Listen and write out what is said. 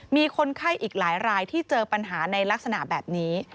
มีคนไข้อีกหลายรายที่เจอปัญหาในลักษณะแบบนี้